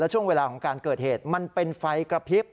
ช่วงเวลาของการเกิดเหตุมันเป็นไฟกระพริบ